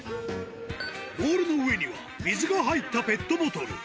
ボールの上には、水が入ったペットボトル。